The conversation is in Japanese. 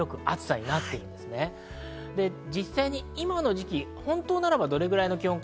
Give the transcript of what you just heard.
実際に今の時期、本当ならばどれくらいの気温か。